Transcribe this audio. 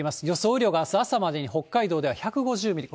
雨量があす朝までに北海道では１５０ミリ、